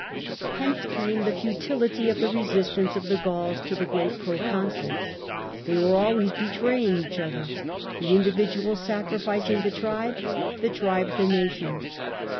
Hence came the futility of the resistance of the Gauls to the great proconsul. They were always betraying each other, the individual sacrificing the tribe, the tribe the nation.